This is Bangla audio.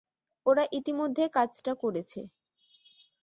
ওরা ইতিমধ্যে কাজটা করেছে।